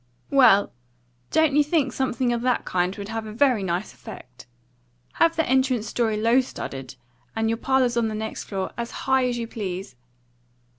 "Well, don't you think something of that kind would have a very nice effect? Have the entrance story low studded, and your parlours on the next floor as high as you please.